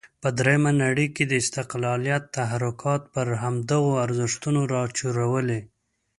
په درېمه نړۍ کې د استقلالیت تحرکات پر همدغو ارزښتونو راچورلوي.